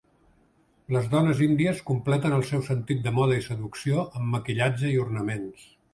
Les dones índies completen el seu sentit de moda i seducció amb maquillatge i ornaments.